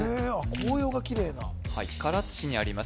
紅葉がキレイなはい唐津市にあります